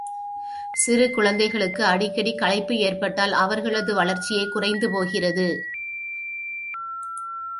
சிறு குழந்தைகளுக்கு அடிக்கடி களைப்பு ஏற்பட்டால் அவர்களது வளர்ச்சியே குறைந்து போகிறது.